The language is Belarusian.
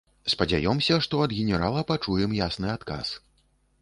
Спадзяёмся, што ад генерала пачуем ясны адказ.